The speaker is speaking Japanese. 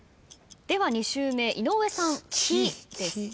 では２周目井上さん「き」です。